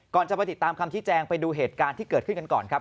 จะไปติดตามคำชี้แจงไปดูเหตุการณ์ที่เกิดขึ้นกันก่อนครับ